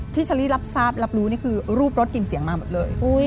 เชอรี่รับทราบรับรู้นี่คือรูปรถกลิ่นเสียงมาหมดเลย